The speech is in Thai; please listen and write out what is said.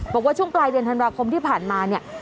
บอกว่าช่วงปลายเดือนธันวาคมที่ผ่านมาเนี่ย